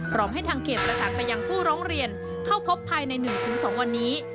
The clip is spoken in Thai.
พร้อมให้ทางเขตประสานไปยังผู้ร้องเรียนเข้าพบภายใน๑๒วันนี้